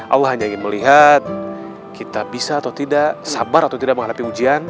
allah hanya ingin melihat kita bisa atau tidak sabar atau tidak menghadapi ujian